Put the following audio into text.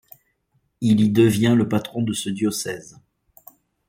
Il y devient le patron de ce diocèse.